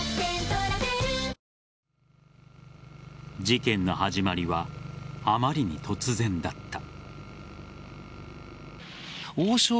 事件の始まりはあまりに突然だった。